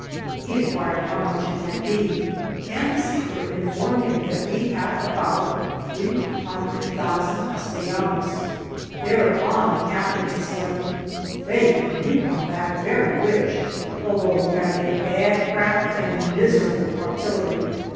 He inquired how much it might be, and the skipper informed him that we had about three hundred thousand Castellanos. Thereupon the captain ex claimed: "Faith, you come back very rich, although you have a bad craft and miserable artillery.